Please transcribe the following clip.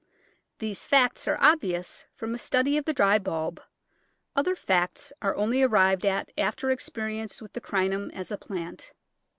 These facts are obvious from a study of the dry bulb, other facts are only arrived at after expe rience with the Crinum as a plant.